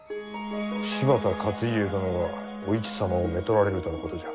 柴田勝家殿がお市様をめとられるとのことじゃ。